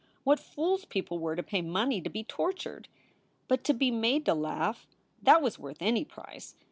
What fools people were to pay money to be tortured! But to be made to laugh that was worth any price.